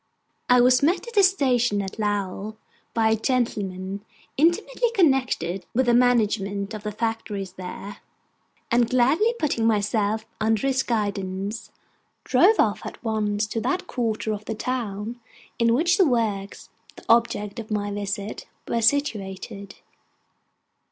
I was met at the station at Lowell by a gentleman intimately connected with the management of the factories there; and gladly putting myself under his guidance, drove off at once to that quarter of the town in which the works, the object of my visit, were situated.